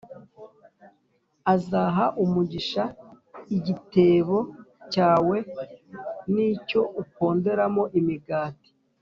Azaha umugisha igitebo cyawe n’icyo uponderamo imigati.